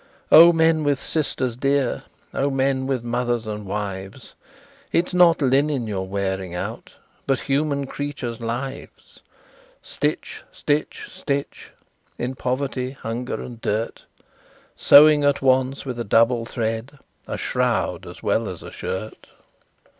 "Oh, Men, with Sisters dear! Oh, Men, with Mothers and Wives! It is not linen you're wearing out, But human creatures' lives! Stitch stitch stitch, In poverty, hunger, and dirt, Sewing at once, with a double thread, A Shroud as well as a Shirt.